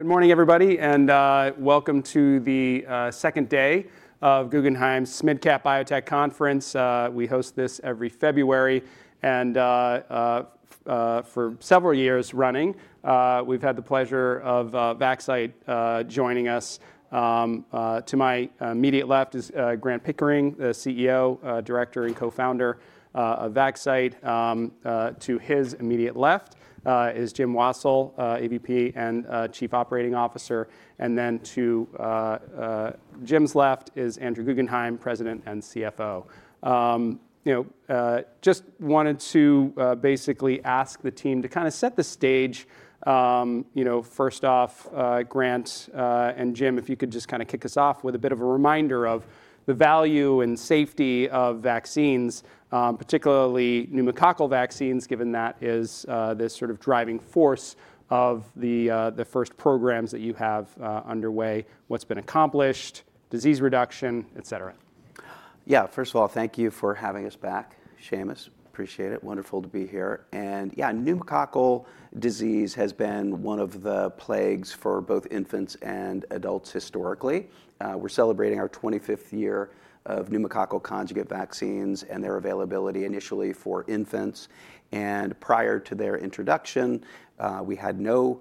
Good morning, everybody, and welcome to the second day of Guggenheim's SMID Cap Biotech Conference. We host this every February, and for several years running, we've had the pleasure of Vaxcyte joining us. To my immediate left is Grant Pickering, the CEO, Director, and Co-Founder of Vaxcyte. To his immediate left is Jim Wassil, EVP and Chief Operating Officer. And then to Jim's left is Andrew Guggenhime, President and CFO. Just wanted to basically ask the team to kind of set the stage. First off, Grant and Jim, if you could just kind of kick us off with a bit of a reminder of the value and safety of vaccines, particularly pneumococcal vaccines, given that this is this sort of driving force of the first programs that you have underway, what's been accomplished, disease reduction, et cetera. Yeah, first of all, thank you for having us back, Seamus. Appreciate it. Wonderful to be here. And yeah, pneumococcal disease has been one of the plagues for both infants and adults historically. We're celebrating our 25th year of pneumococcal conjugate vaccines and their availability initially for infants. And prior to their introduction, we had no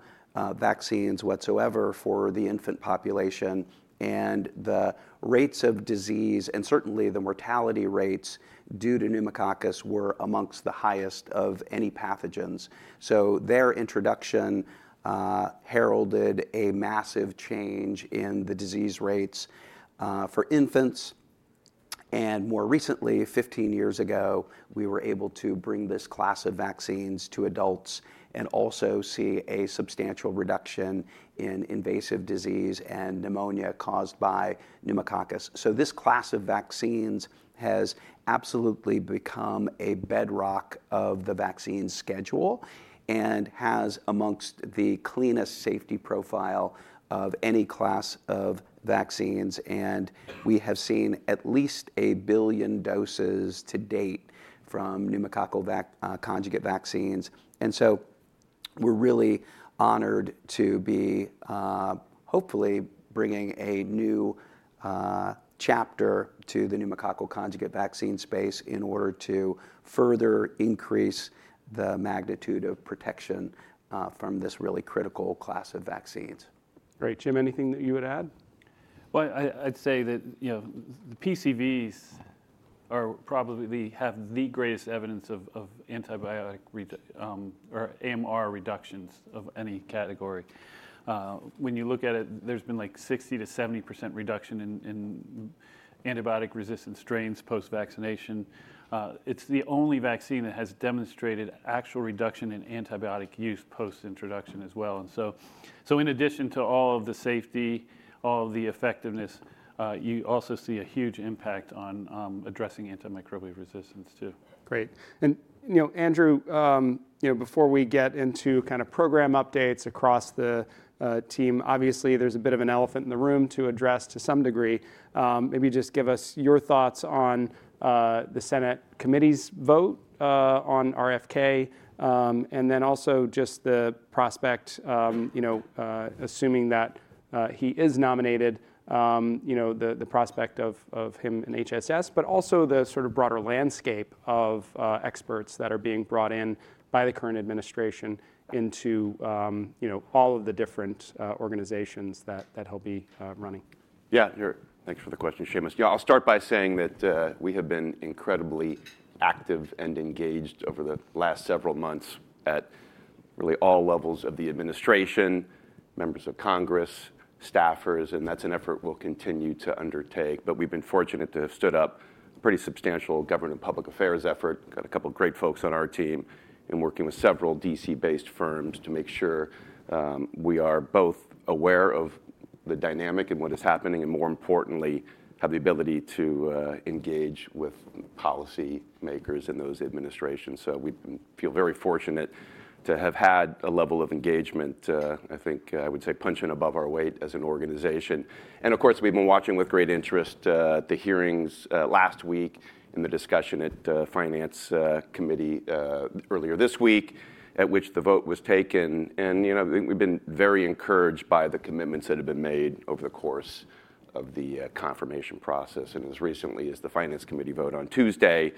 vaccines whatsoever for the infant population. And the rates of disease, and certainly the mortality rates due to pneumococcus, were amongst the highest of any pathogens. So their introduction heralded a massive change in the disease rates for infants. And more recently, 15 years ago, we were able to bring this class of vaccines to adults and also see a substantial reduction in invasive disease and pneumonia caused by pneumococcus. So this class of vaccines has absolutely become a bedrock of the vaccine schedule and has amongst the cleanest safety profile of any class of vaccines. And we have seen at least a billion doses to date from pneumococcal conjugate vaccines. And so we're really honored to be hopefully bringing a new chapter to the pneumococcal conjugate vaccine space in order to further increase the magnitude of protection from this really critical class of vaccines. Great. Jim, anything that you would add? I'd say that the PCVs are probably have the greatest evidence of antibiotic or AMR reductions of any category. When you look at it, there's been like 60%-70% reduction in antibiotic-resistant strains post-vaccination. It's the only vaccine that has demonstrated actual reduction in antibiotic use post-introduction as well. And so in addition to all of the safety, all of the effectiveness, you also see a huge impact on addressing antimicrobial resistance too. Great. And Andrew, before we get into kind of program updates across the team, obviously there's a bit of an elephant in the room to address to some degree. Maybe just give us your thoughts on the Senate committee's vote on RFK, and then also just the prospect, assuming that he is nominated, the prospect of him in HHS, but also the sort of broader landscape of experts that are being brought in by the current administration into all of the different organizations that he'll be running. Yeah, thanks for the question, Seamus. Yeah, I'll start by saying that we have been incredibly active and engaged over the last several months at really all levels of the administration, members of Congress, staffers, and that's an effort we'll continue to undertake. But we've been fortunate to have stood up a pretty substantial government public affairs effort. Got a couple of great folks on our team and working with several DC-based firms to make sure we are both aware of the dynamic and what is happening, and more importantly, have the ability to engage with policymakers in those administrations. So we feel very fortunate to have had a level of engagement, I think I would say punching above our weight as an organization. Of course, we've been watching with great interest the hearings last week and the discussion at the Finance Committee earlier this week at which the vote was taken. We've been very encouraged by the commitments that have been made over the course of the confirmation process. As recently as the Finance Committee vote on Tuesday,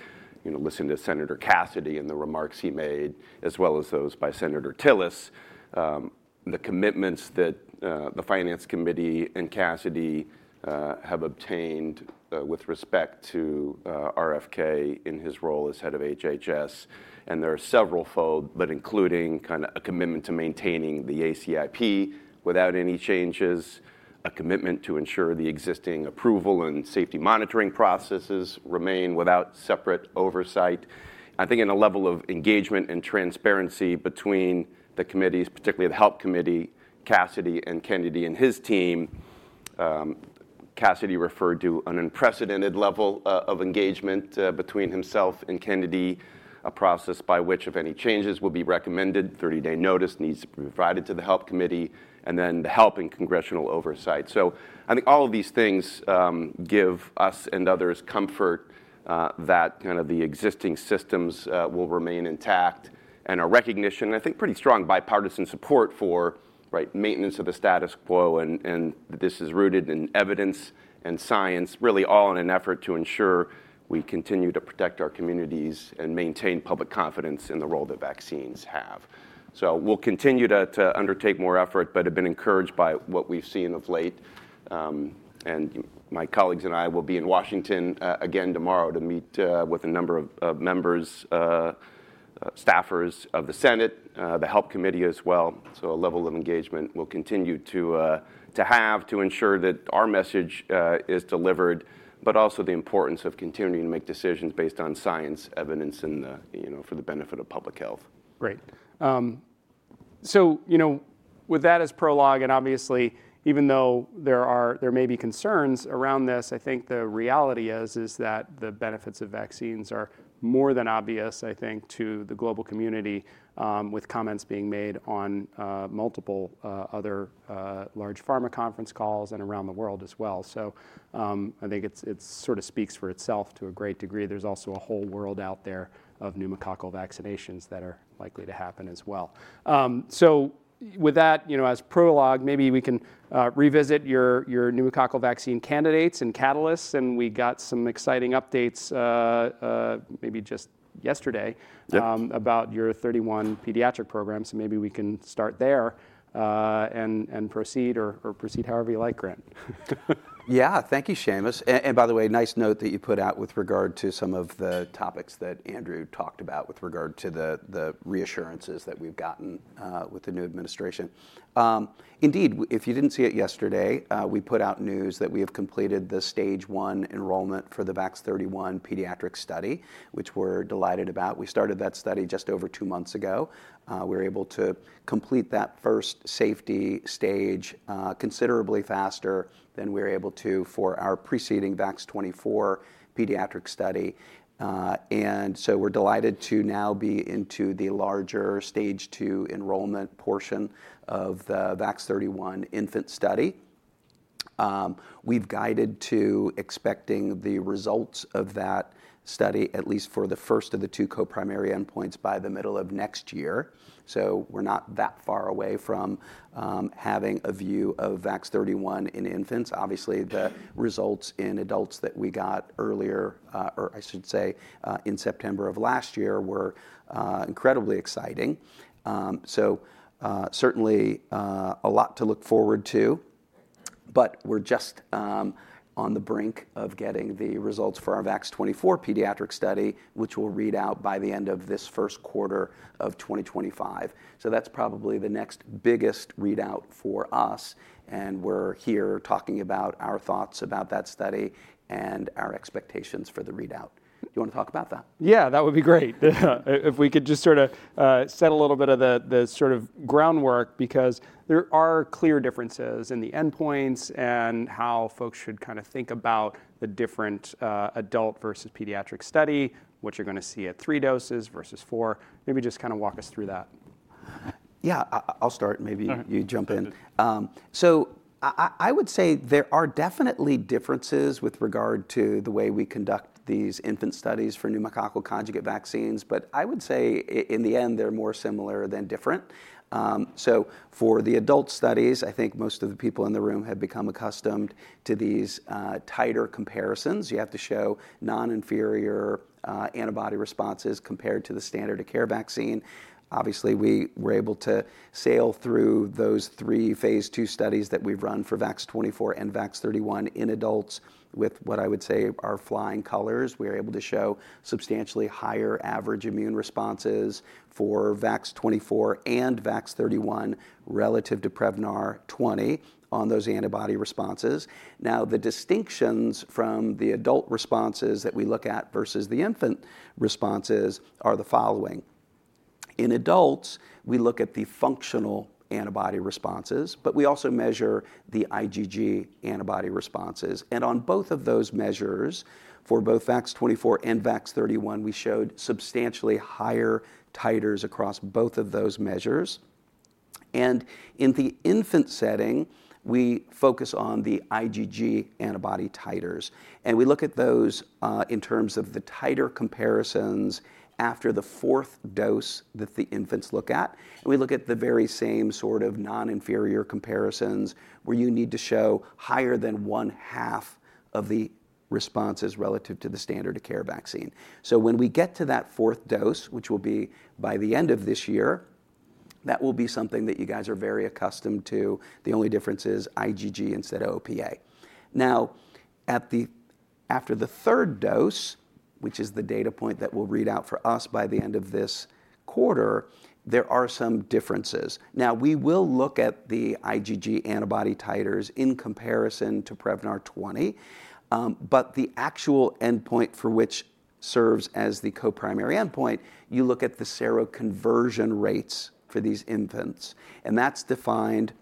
listen to Senator Cassidy and the remarks he made, as well as those by Senator Tillis, the commitments that the Finance Committee and Cassidy have obtained with respect to RFK in his role as head of HHS. There are several-fold, but including kind of a commitment to maintaining the ACIP without any changes, a commitment to ensure the existing approval and safety monitoring processes remain without separate oversight. I think in a level of engagement and transparency between the committees, particularly the Health Committee, Cassidy, and Kennedy and his team. Cassidy referred to an unprecedented level of engagement between himself and Kennedy, a process by which if any changes will be recommended, 30-day notice needs to be provided to the Health Committee, and then the HELP in congressional oversight. I think all of these things give us and others comfort that kind of the existing systems will remain intact and a recognition, I think pretty strong bipartisan support for maintenance of the status quo, and this is rooted in evidence and science, really all in an effort to ensure we continue to protect our communities and maintain public confidence in the role that vaccines have. We'll continue to undertake more effort, but have been encouraged by what we've seen of late. My colleagues and I will be in Washington again tomorrow to meet with a number of members, staffers of the Senate, the Health Committee as well. A level of engagement we'll continue to have to ensure that our message is delivered, but also the importance of continuing to make decisions based on science evidence for the benefit of public health. Great. So with that as prologue, and obviously, even though there may be concerns around this, I think the reality is that the benefits of vaccines are more than obvious, I think, to the global community with comments being made on multiple other large pharma conference calls and around the world as well. So I think it sort of speaks for itself to a great degree. There's also a whole world out there of pneumococcal vaccinations that are likely to happen as well. So with that as prologue, maybe we can revisit your pneumococcal vaccine candidates and catalysts. And we got some exciting updates maybe just yesterday about your 31 pediatric programs. So maybe we can start there and proceed or proceed however you like, Grant. Yeah, thank you, Seamus. And by the way, nice note that you put out with regard to some of the topics that Andrew talked about with regard to the reassurances that we've gotten with the new administration. Indeed, if you didn't see it yesterday, we put out news that we have completed the stage one enrollment for the VAX-31 pediatric study, which we're delighted about. We started that study just over two months ago. We were able to complete that first safety stage considerably faster than we were able to for our preceding VAX-24 pediatric study. And so we're delighted to now be into the larger stage two enrollment portion of the VAX-31 infant study. We've guided to expecting the results of that study, at least for the first of the two co-primary endpoints, by the middle of next year. So we're not that far away from having a view of VAX-31 in infants. Obviously, the results in adults that we got earlier, or I should say in September of last year, were incredibly exciting. So certainly a lot to look forward to, but we're just on the brink of getting the results for our VAX-24 pediatric study, which will read out by the end of this first quarter of 2025. So that's probably the next biggest readout for us. And we're here talking about our thoughts about that study and our expectations for the readout. Do you want to talk about that? Yeah, that would be great. If we could just sort of set a little bit of the sort of groundwork, because there are clear differences in the endpoints and how folks should kind of think about the different adult versus pediatric study. What you're going to see at three doses versus four. Maybe just kind of walk us through that. Yeah, I'll start. Maybe you jump in. So I would say there are definitely differences with regard to the way we conduct these infant studies for pneumococcal conjugate vaccines. But I would say in the end, they're more similar than different. So for the adult studies, I think most of the people in the room have become accustomed to these tighter comparisons. You have to show non-inferior antibody responses compared to the standard of care vaccine. Obviously, we were able to sail through those three Phase 2 studies that we've run for VAX-24 and VAX-31 in adults with what I would say are flying colors. We were able to show substantially higher average immune responses for VAX-24 and VAX-31 relative to Prevnar 20 on those antibody responses. Now, the distinctions from the adult responses that we look at versus the infant responses are the following. In adults, we look at the functional antibody responses, but we also measure the IgG antibody responses. And on both of those measures for both VAX-24 and VAX-31, we showed substantially higher titers across both of those measures. And in the infant setting, we focus on the IgG antibody titers. And we look at those in terms of the titer comparisons after the fourth dose that the infants look at. And we look at the very same sort of non-inferior comparisons where you need to show higher than one half of the responses relative to the standard of care vaccine. So when we get to that fourth dose, which will be by the end of this year, that will be something that you guys are very accustomed to. The only difference is IgG instead of OPA. Now, after the third dose, which is the data point that will read out for us by the end of this quarter, there are some differences. Now, we will look at the IgG antibody titers in comparison to Prevnar 20, but the actual endpoint for which serves as the co-primary endpoint. You look at the seroconversion rates for these infants, and that's defined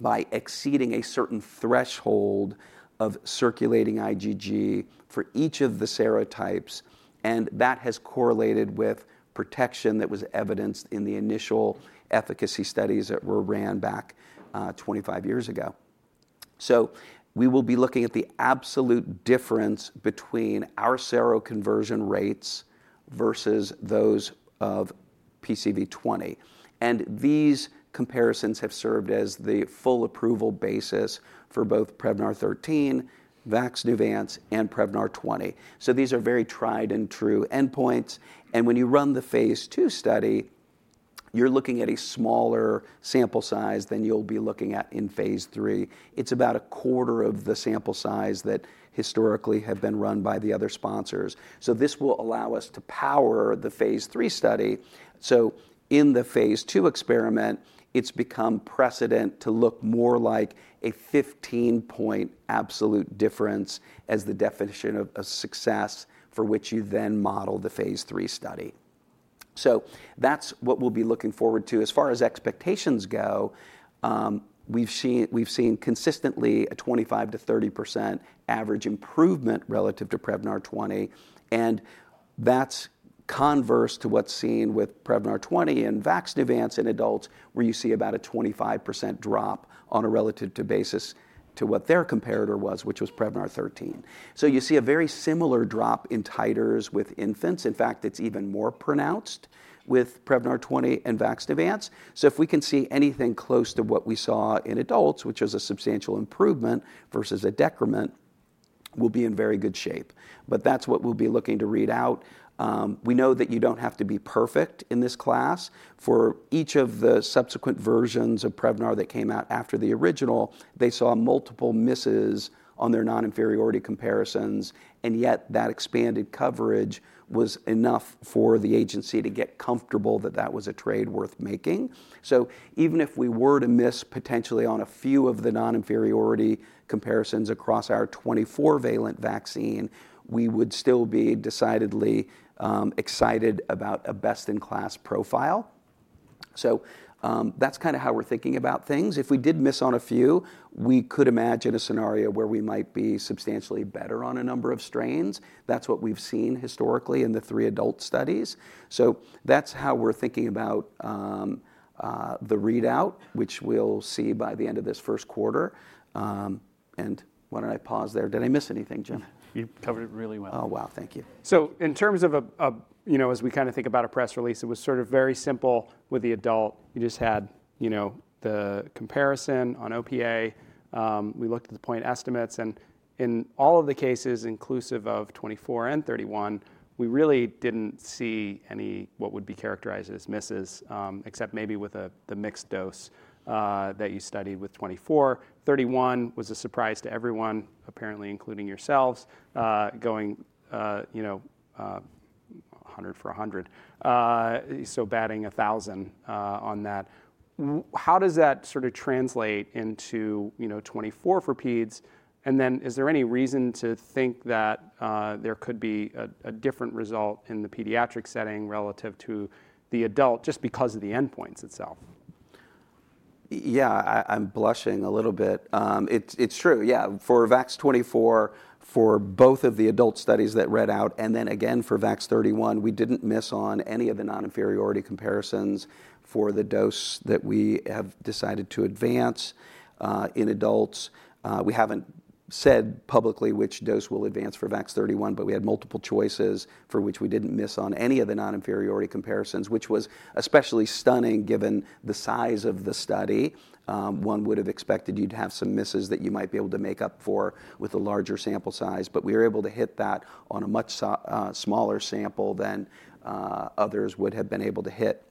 by exceeding a certain threshold of circulating IgG for each of the serotypes, and that has correlated with protection that was evidenced in the initial efficacy studies that were ran back 25 years ago, so we will be looking at the absolute difference between our seroconversion rates versus those of PCV20, and these comparisons have served as the full approval basis for both Prevnar 13, Vaxneuvance, and Prevnar 20, so these are very tried and true endpoints. When you run the Phase 2 study, you're looking at a smaller sample size than you'll be looking at in Phase 3. It's about a quarter of the sample size that historically have been run by the other sponsors. This will allow us to power the Phase 3 study. In the Phase 2 experiment, it's become precedent to look more like a 15-point absolute difference as the definition of a success for which you then model the Phase 3 study. That's what we'll be looking forward to. As far as expectations go, we've seen consistently a 25%-30% average improvement relative to Prevnar 20. That's converse to what's seen with Prevnar 20 and Vaxneuvance in adults, where you see about a 25% drop on a relative basis to what their comparator was, which was Prevnar 13. So you see a very similar drop in titers with infants. In fact, it's even more pronounced with Prevnar 20 and Vaxneuvance. So if we can see anything close to what we saw in adults, which is a substantial improvement versus a decrement, we'll be in very good shape. But that's what we'll be looking to read out. We know that you don't have to be perfect in this class. For each of the subsequent versions of Prevnar that came out after the original, they saw multiple misses on their non-inferiority comparisons. And yet that expanded coverage was enough for the agency to get comfortable that that was a trade worth making. So even if we were to miss potentially on a few of the non-inferiority comparisons across our 24-valent vaccine, we would still be decidedly excited about a best-in-class profile. That's kind of how we're thinking about things. If we did miss on a few, we could imagine a scenario where we might be substantially better on a number of strains. That's what we've seen historically in the three adult studies. That's how we're thinking about the readout, which we'll see by the end of this first quarter. Why don't I pause there? Did I miss anything, Jim? You covered it really well. Oh, wow, thank you. So in terms of a, you know, as we kind of think about a press release, it was sort of very simple with the adult. You just had the comparison on OPA. We looked at the point estimates and in all of the cases, inclusive of 24 and 31, we really didn't see any what would be characterized as misses, except maybe with the mixed dose that you studied with 24. 31 was a surprise to everyone, apparently including yourselves, going 100 for 100, so batting 1,000 on that. How does that sort of translate into 24 for peds, and then is there any reason to think that there could be a different result in the pediatric setting relative to the adult just because of the endpoints itself? Yeah, I'm blushing a little bit. It's true. Yeah, for VAX-24, for both of the adult studies that read out, and then again for VAX-31, we didn't miss on any of the non-inferiority comparisons for the dose that we have decided to advance in adults. We haven't said publicly which dose we'll advance for VAX-31, but we had multiple choices for which we didn't miss on any of the non-inferiority comparisons, which was especially stunning given the size of the study. One would have expected you to have some misses that you might be able to make up for with a larger sample size. But we were able to hit that on a much smaller sample than others would have been able to hit.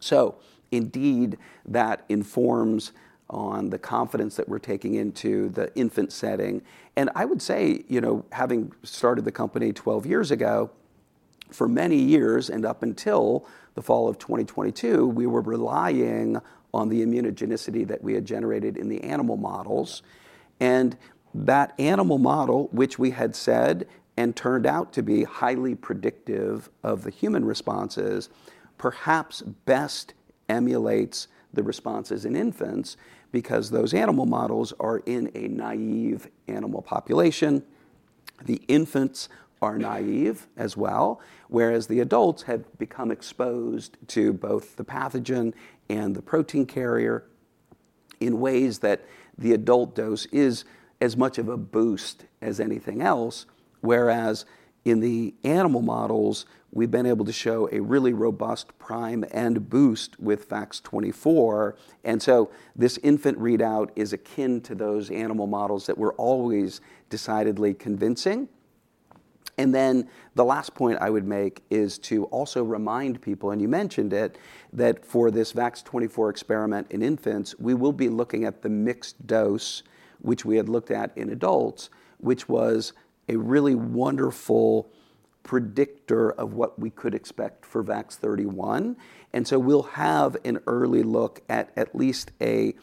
So indeed, that informs on the confidence that we're taking into the infant setting. I would say, you know, having started the company 12 years ago, for many years and up until the fall of 2022, we were relying on the immunogenicity that we had generated in the animal models. That animal model, which we had said and turned out to be highly predictive of the human responses, perhaps best emulates the responses in infants because those animal models are in a naive animal population. The infants are naive as well, whereas the adults have become exposed to both the pathogen and the protein carrier in ways that the adult dose is as much of a boost as anything else. Whereas in the animal models, we've been able to show a really robust prime and boost with VAX-24. So this infant readout is akin to those animal models that were always decidedly convincing. And then the last point I would make is to also remind people, and you mentioned it, that for this VAX-24 experiment in infants, we will be looking at the mixed dose, which we had looked at in adults, which was a really wonderful predictor of what we could expect for VAX-31. And so we'll have an early look at least a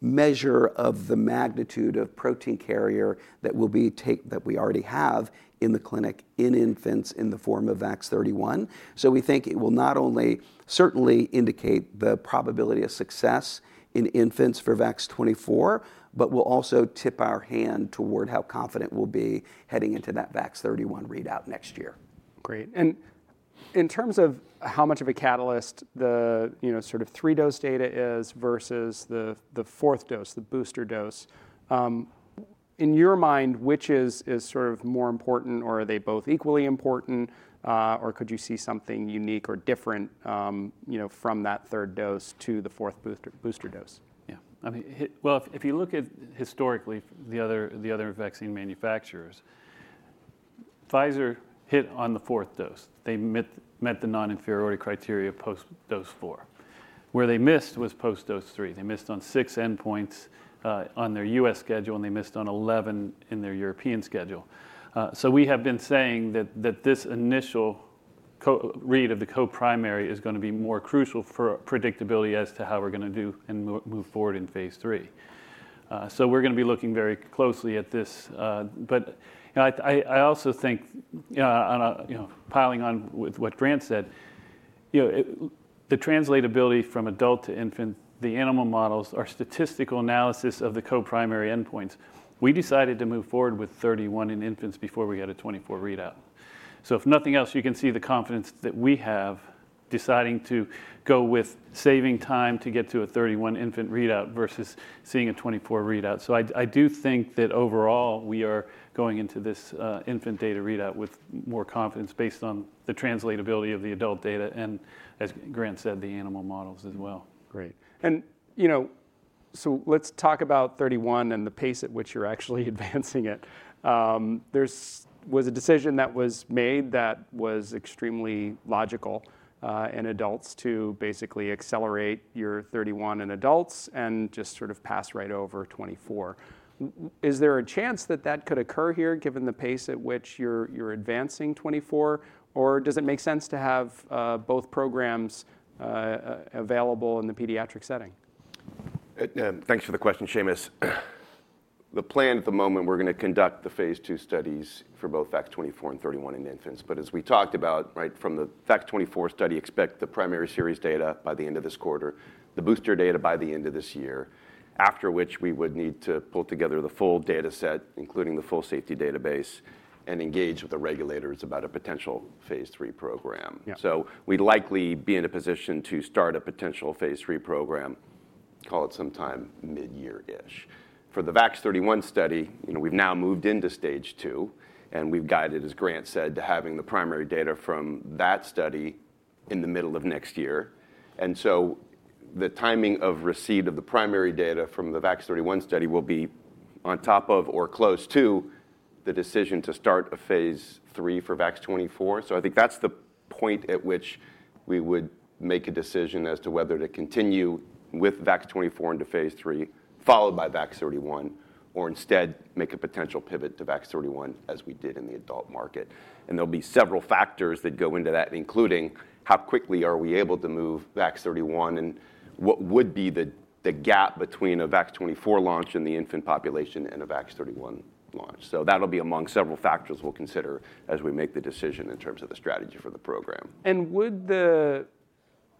measure of the magnitude of protein carrier that we already have in the clinic in infants in the form of VAX-31. So we think it will not only certainly indicate the probability of success in infants for VAX-24, but we'll also tip our hand toward how confident we'll be heading into that VAX-31 readout next year. Great. And in terms of how much of a catalyst the sort of three-dose data is versus the fourth dose, the booster dose, in your mind, which is sort of more important, or are they both equally important, or could you see something unique or different from that third dose to the fourth booster dose? Yeah. If you look at historically the other vaccine manufacturers, Pfizer hit on the fourth dose. They met the non-inferiority criteria post-dose four. Where they missed was post-dose three. They missed on six endpoints on their U.S. schedule, and they missed on 11 in their European schedule. So we have been saying that this initial read of the co-primary is going to be more crucial for predictability as to how we're going to do and move forward in Phase 3. So we're going to be looking very closely at this. But I also think, piling on with what Grant said, the translatability from adult to infant, the animal models are statistical analysis of the co-primary endpoints. We decided to move forward with 31 in infants before we had a 24 readout. So if nothing else, you can see the confidence that we have deciding to go with saving time to get to a 31 infant readout versus seeing a 24 readout. So I do think that overall, we are going into this infant data readout with more confidence based on the translatability of the adult data and, as Grant said, the animal models as well. Great. And so let's talk about 31 and the pace at which you're actually advancing it. There was a decision that was made that was extremely logical in adults to basically accelerate your 31 in adults and just sort of pass right over 24. Is there a chance that that could occur here given the pace at which you're advancing 24, or does it make sense to have both programs available in the pediatric setting? Thanks for the question, Seamus. The plan at the moment, we're going to conduct the Phase 2 studies for both VAX-24 and VAX-31 in infants. But as we talked about, from the VAX-24 study, expect the primary series data by the end of this quarter, the booster data by the end of this year, after which we would need to pull together the full data set, including the full safety database, and engage with the regulators about a potential Phase 3 program. So we'd likely be in a position to start a potential Phase 3 program, call it sometime mid-year-ish. For the VAX-31 study, we've now moved into stage two, and we've guided, as Grant said, to having the primary data from that study in the middle of next year. The timing of receipt of the primary data from the VAX-31 study will be on top of or close to the decision to start a Phase 3 for VAX-24. So I think that's the point at which we would make a decision as to whether to continue with VAX-24 into Phase 3, followed by VAX-31, or instead make a potential pivot to VAX-31 as we did in the adult market. And there'll be several factors that go into that, including how quickly are we able to move VAX-31 and what would be the gap between a VAX-24 launch and the infant population and a VAX-31 launch. So that'll be among several factors we'll consider as we make the decision in terms of the strategy for the program. And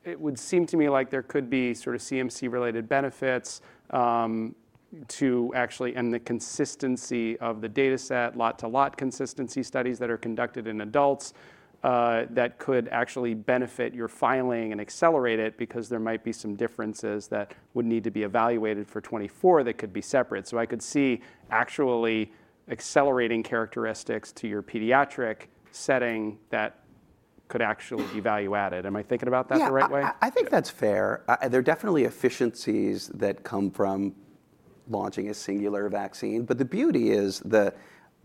it would seem to me like there could be sort of CMC-related benefits to actually and the consistency of the data set, lot-to-lot consistency studies that are conducted in adults, that could actually benefit your filing and accelerate it because there might be some differences that would need to be evaluated for 24 that could be separate. So I could see actually accelerating characteristics to your pediatric setting that could actually be value-added. Am I thinking about that the right way? Yeah, I think that's fair. There are definitely efficiencies that come from launching a singular vaccine, but the beauty is the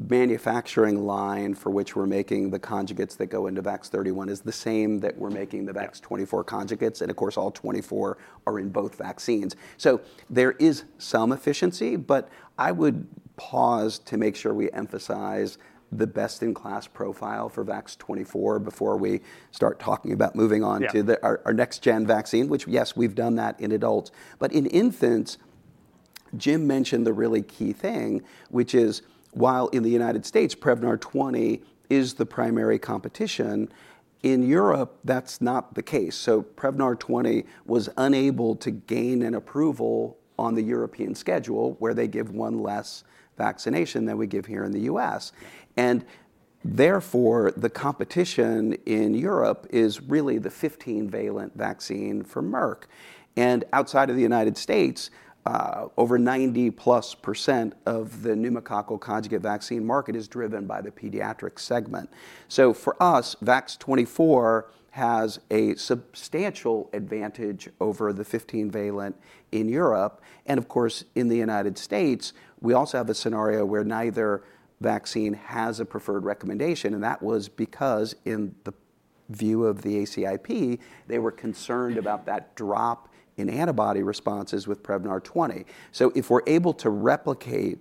manufacturing line for which we're making the conjugates that go into VAX-31 is the same that we're making the VAX-24 conjugates, and of course, all 24 are in both vaccines, so there is some efficiency, but I would pause to make sure we emphasize the best-in-class profile for VAX-24 before we start talking about moving on to our next-gen vaccine, which, yes, we've done that in adults, but in infants, Jim mentioned the really key thing, which is while in the United States, Prevnar 20 is the primary competition, in Europe, that's not the case, so Prevnar 20 was unable to gain an approval on the European schedule, where they give one less vaccination than we give here in the U.S. Therefore, the competition in Europe is really the 15-valent vaccine for Merck. Outside of the United States, over 90% plus of the pneumococcal conjugate vaccine market is driven by the pediatric segment. For us, VAX-24 has a substantial advantage over the 15-valent in Europe. Of course, in the United States, we also have a scenario where neither vaccine has a preferred recommendation. That was because in the view of the ACIP, they were concerned about that drop in antibody responses with Prevnar 20. If we're able to replicate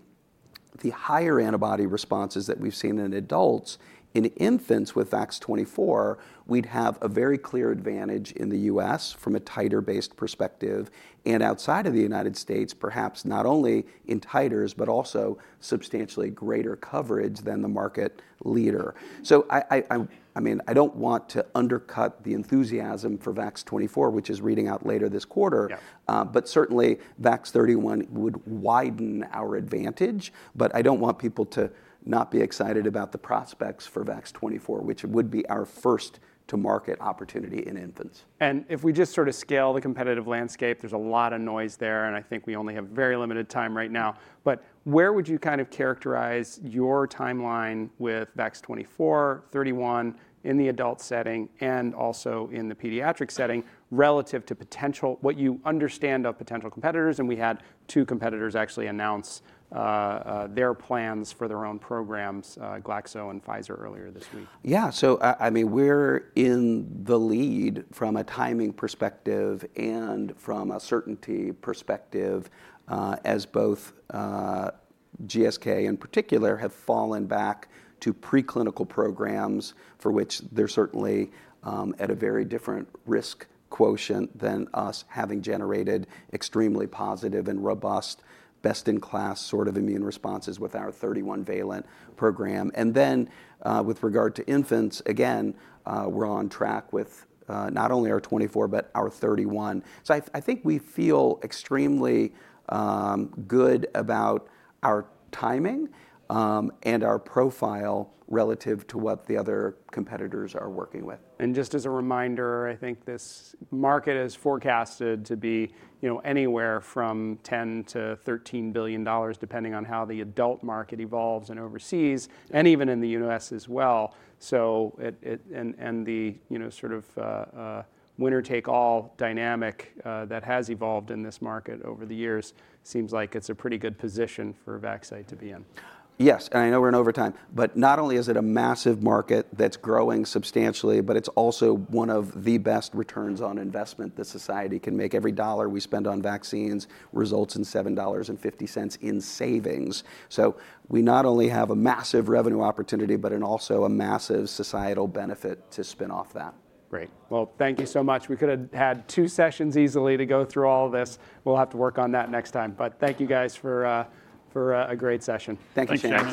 the higher antibody responses that we've seen in adults, in infants with VAX-24, we'd have a very clear advantage in the U.S. from a titer-based perspective. Outside of the United States, perhaps not only in titers, but also substantially greater coverage than the market leader. So I mean, I don't want to undercut the enthusiasm for VAX-24, which is reading out later this quarter. But certainly, VAX-31 would widen our advantage. But I don't want people to not be excited about the prospects for VAX-24, which would be our first-to-market opportunity in infants. And if we just sort of scale the competitive landscape, there's a lot of noise there. And I think we only have very limited time right now. But where would you kind of characterize your timeline with VAX-24, VAX-31 in the adult setting, and also in the pediatric setting relative to what you understand of potential competitors? And we had two competitors actually announce their plans for their own programs, Glaxo and Pfizer, earlier this week. Yeah. So I mean, we're in the lead from a timing perspective and from a certainty perspective as both GSK, in particular, have fallen back to preclinical programs for which they're certainly at a very different risk quotient than us having generated extremely positive and robust, best-in-class sort of immune responses with our 31-valent program. And then with regard to infants, again, we're on track with not only our 24, but our 31. So I think we feel extremely good about our timing and our profile relative to what the other competitors are working with. Just as a reminder, I think this market is forecasted to be anywhere from $10-$13 billion, depending on how the adult market evolves and overseas, and even in the U.S. as well. The sort of winner-take-all dynamic that has evolved in this market over the years seems like it's a pretty good position for Vaxcyte to be in. Yes, and I know we're in overtime, but not only is it a massive market that's growing substantially, but it's also one of the best returns on investment that society can make. Every dollar we spend on vaccines results in $7.50 in savings, so we not only have a massive revenue opportunity, but also a massive societal benefit to spin off that. Great. Well, thank you so much. We could have had two sessions easily to go through all of this. We'll have to work on that next time. But thank you, guys, for a great session. Thank you.